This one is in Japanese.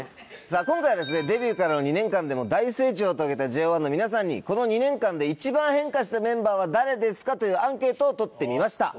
さぁ今回はですねデビューからの２年間で大成長を遂げたＪＯ１の皆さんにこの２年間で「一番変化したメンバーは誰ですか？」というアンケートをとってみました。